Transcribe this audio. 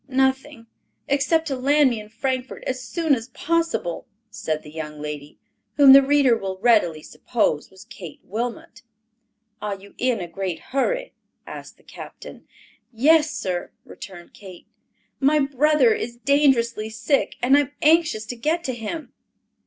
"Nothing, except to land me in Frankfort as soon as possible," said the young lady, whom the reader will readily suppose was Kate Wilmot. "Are you in a great hurry?" asked the captain. "Yes, sir," returned Kate. "My brother is dangerously sick and I am anxious to get to him."